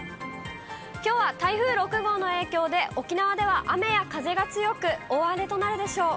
きょうは台風６号の影響で沖縄では雨や風が強く、大荒れとなるでしょう。